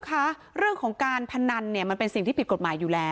คุณผู้ชมคะเรื่องของการพนันเนี่ยมันเป็นสิ่งที่ผิดกฎหมายอยู่แล้ว